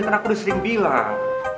karena aku udah sering bilang